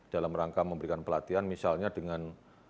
dalam rangka memberikan pelatihan misalnya dengan